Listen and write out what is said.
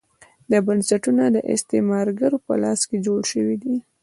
دا بنسټونه د استعمارګرو په لاس جوړ شوي وو.